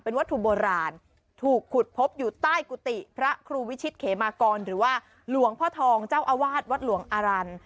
วัตถุโบราณถูกขุดพบอยู่ใต้กุฏิพระครูวิชิตเขมากรหรือว่าหลวงพ่อทองเจ้าอาวาสวัดหลวงอารันทร์